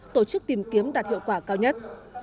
tổ chức tìm kiếm đạt hiệu quả cao nhất